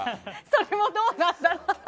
それもどうなんだ。